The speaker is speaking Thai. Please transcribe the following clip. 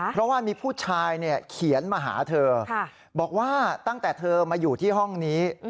เพราะว่ามีผู้ชายเขียนมาหาเธอบอกว่าตั้งแต่เธอมาอยู่ที่ห้องนี้